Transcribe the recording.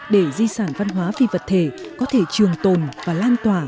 để di sản văn hóa phi vật thể có thể trường tồn và lan tỏa